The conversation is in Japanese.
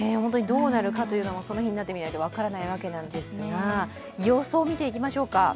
どうなるのか、その日になってみないと分からないわけですが、予想を見ていきましょうか。